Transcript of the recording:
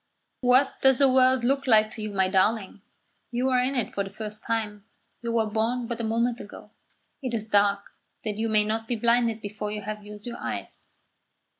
"What does the world look like to you, my darling? You are in it for the first time. You were born but a moment ago. It is dark, that you may not be blinded before you have used your eyes.